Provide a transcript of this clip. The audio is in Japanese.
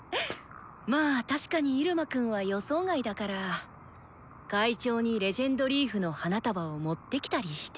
まぁ確かにイルマくんは予想外だから会長に「レジェンドリーフ」の花束を持ってきたりして？